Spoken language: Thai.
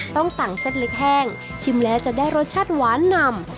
ต้องสั่งเส้นเล็กแห้งชิมแล้วจะได้รสชาติหวานนำ